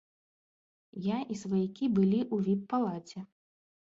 Я і сваякі былі ў віп-палаце.